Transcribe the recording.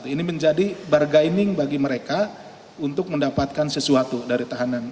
ini menjadi bargaining bagi mereka untuk mendapatkan sesuatu dari tahanan